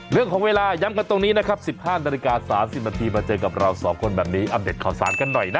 เรื่องของเวลาย้ำกันตรงนี้นะครับ๑๕นาฬิกา๓๐นาทีมาเจอกับเราสองคนแบบนี้อัปเดตข่าวสารกันหน่อยนะ